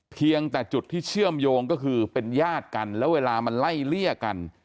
เพียงแต่จุดที่เชื่อมโยงก็คือเป็นญาติกันแล้วเวลามันไล่เลี่ยกัน